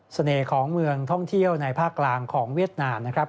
เสน่ห์ของเมืองท่องเที่ยวในภาคกลางของเวียดนามนะครับ